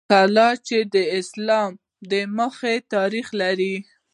کلا چې د اسلام د مخه تاریخ لري